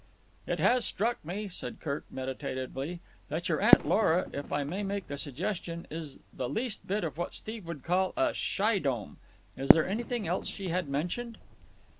"It has struck me," said Kirk meditatively, "that your Aunt Lora, if I may make the suggestion, is the least bit of what Steve would call a shy dome. Is there anything else she had mentioned?